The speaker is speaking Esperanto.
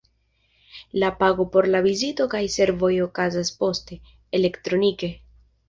La pago por la vizito kaj servoj okazas poste, elektronike.